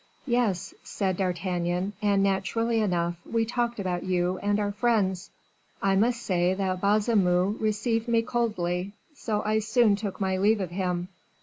"Yes," said D'Artagnan, "and, naturally enough, we talked about you and our friends. I must say that Baisemeaux received me coldly; so I soon took my leave of him.